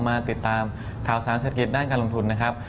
มาติดตามข่าวสารเศรษฐกิจด้านการลงทุนนะครับ